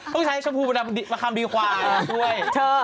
ต้องใช้ชมพูมาคำดีความด้วย